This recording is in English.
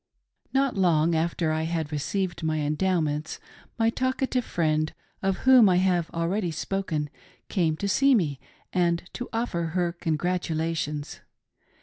NOT long after I had received my Endowments my talk ative friend, of whom I have already spoken, came to see me and to offer her congratulations.